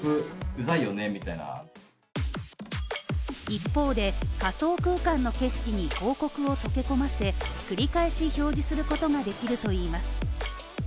一方で、仮想空間の景色に広告を溶け込ませ繰り返し表示することができるといいます。